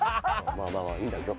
まぁまぁいいんだけど。